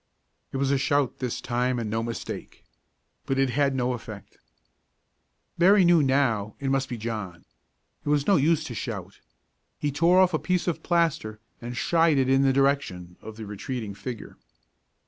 It was a shout this time and no mistake. But it had no effect. Berry knew now it must be John. It was no use to shout. He tore off a piece of plaster, and shied it in the direction of the retreating figure.